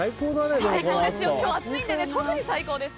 今日暑いんで特に最高です。